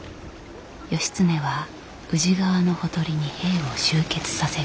義経は宇治川のほとりに兵を集結させる。